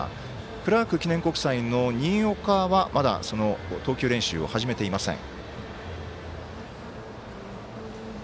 クラーク記念国際の新岡はまだ投球練習を始めていません。